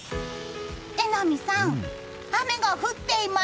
榎並さん、雨が降っています！